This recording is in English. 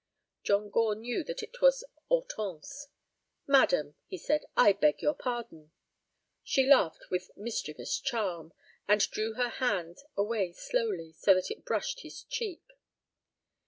John Gore knew that it was Hortense. "Madam," he said, "I beg your pardon." She laughed with mischievous charm, and drew her hand away slowly so that it brushed his cheek.